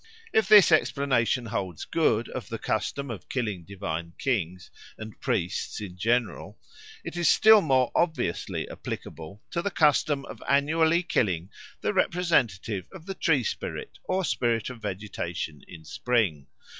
If this explanation holds good of the custom of killing divine kings and priests in general, it is still more obviously applicable to the custom of annually killing the representative of the tree spirit or spirit of vegetation in spring.